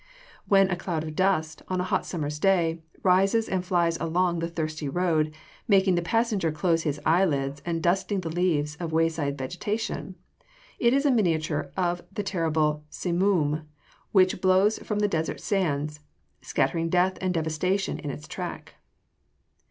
When a cloud of dust, on a hot summer's day, rises and flies along the thirsty road, making the passenger close his eyelids, and dusting the leaves of wayside vegetation, it is a miniature of the terrible simoom, which blows from the desert sands, scattering death and devastation in its track.